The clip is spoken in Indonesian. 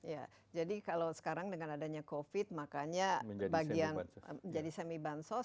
ya jadi kalau sekarang dengan adanya covid makanya bagian menjadi semi bansos